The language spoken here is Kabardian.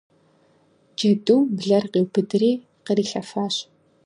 Джэдум блэр къиубыдри кърилъэфащ.